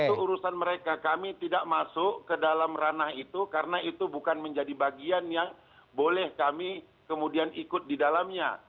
itu urusan mereka kami tidak masuk ke dalam ranah itu karena itu bukan menjadi bagian yang boleh kami kemudian ikut di dalamnya